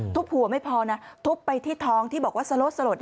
หัวไม่พอนะทุบไปที่ท้องที่บอกว่าสลด